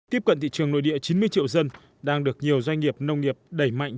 tiếp cận thị trường nội địa chín mươi triệu dân đang được nhiều doanh nghiệp nông nghiệp đẩy mạnh